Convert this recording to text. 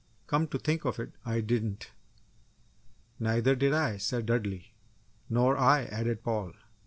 "Come to think of it, I didn't!" "Neither did I," said Dudley. "Nor I," added Paul.